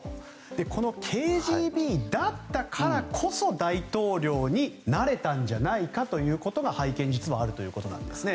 このＫＧＢだったからこそ大統領になれたんじゃないかということが背景に実はあるということなんですね。